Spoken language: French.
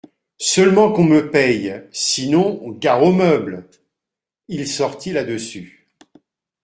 Seulement, qu'on me paye, sinon, gare aux meubles !… Il sortit, là-dessus.